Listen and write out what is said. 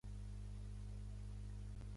Per justos judicis de Déu.